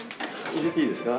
入れていいですか？